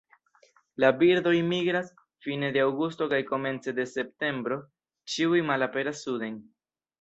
La birdoj migras fine de aŭgusto kaj komence de septembro ĉiuj malaperas suden.